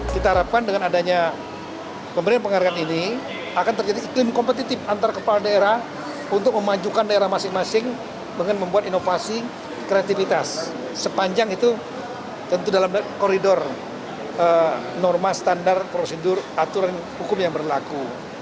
kita harapkan dengan adanya pemberian penghargaan ini akan terjadi iklim kompetitif antar kepala daerah untuk memajukan daerah masing masing dengan membuat inovasi kreativitas sepanjang itu tentu dalam koridor norma standar prosedur aturan hukum yang berlaku